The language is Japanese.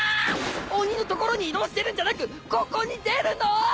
鬼の所に移動してるんじゃなくここに出るの！？